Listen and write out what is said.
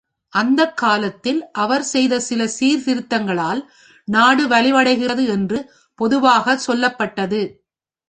அந்த காலத்தில் அவர் செய்த சில சீர்திருத்தங்களால், நாடு வலிவடைகிறது என்று பொதுவாகச் சொல்லப்பட்டது.